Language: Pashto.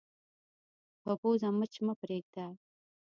په پوزې مچ مه پرېږده